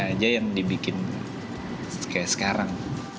aja yang dibikin kayak sekarang